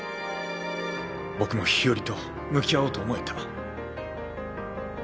僕も日和と向き合おうと思えた。